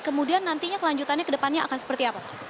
kemudian nantinya kelanjutannya kedepannya akan seperti apa pak